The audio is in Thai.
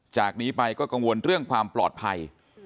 จากนี้ไปก็กังวลเรื่องความปลอดภัย